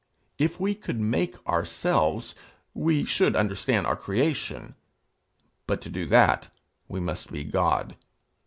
If we could make ourselves, we should understand our creation, but to do that we must be God.